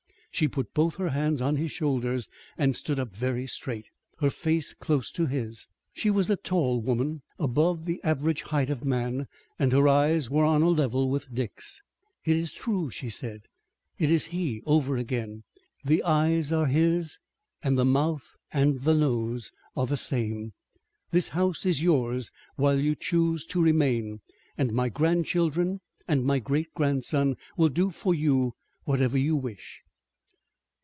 She put both her hands on his shoulders, and stood up very straight, her face close to his. She was a tall woman, above the average height of man, and her eyes were on a level with Dick's. "It is true," she said, "it is he over again. The eyes are his, and the mouth and the nose are the same. This house is yours while you choose to remain, and my grandchildren and my great grandson will do for you whatever you wish."